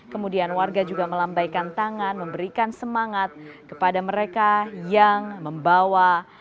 kemudian warga juga melambaikan tangan memberikan semangat kepada mereka yang membawa